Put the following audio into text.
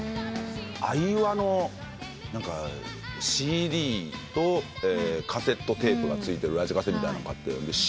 アイワのＣＤとカセットテープがついてるラジカセみたいの買って。